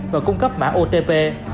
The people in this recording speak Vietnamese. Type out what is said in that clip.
và cung cấp mã otp